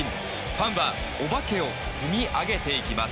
ファンはお化けを積み上げていきます。